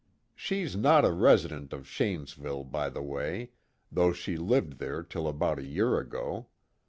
She's not a resident of Shanesville, by the way, though she lived there till about a year ago.